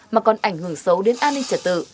mà còn ảnh hưởng xấu đến an ninh trật tự